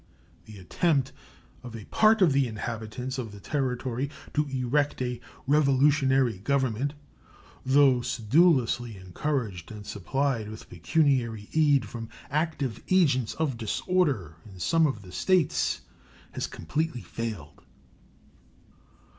The attempt of a part of the inhabitants of the Territory to erect a revolutionary government, though sedulously encouraged and supplied with pecuniary aid from active agents of disorder in some of the States, has completely failed.